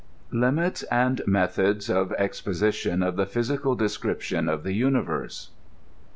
LIMITS AND METHOD OF EXPOSITION OF THE PHYSICAL DESCRIPTION OF THE UNIVERSE.